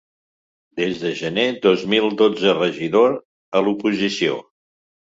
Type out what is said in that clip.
Des de gener de dos mil dotze regidor a l’oposició.